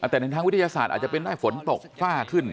แต่ในทางวิทยาศาสตร์อาจจะเป็นได้ฝนตกฝ้าขึ้น